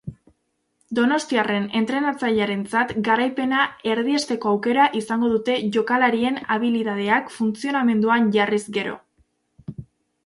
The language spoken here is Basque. Donostiarren entrenatzailearentzat garaipena erdiesteko aukera izango dute jokalarien habilidadeak funtzionamenduan jarriz gero.